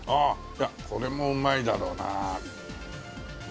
じゃあこれもうまいだろうな。